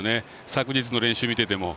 昨日の練習を見てても。